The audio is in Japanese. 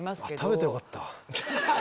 食べたらよかった。